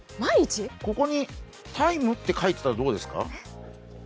ここに「ＴＩＭＥ」って書いてたらどうですか？